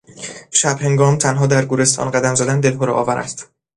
شب هنگام تنها در گورستان قدم زدن دلهره آور است.